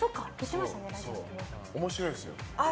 面白いですよ。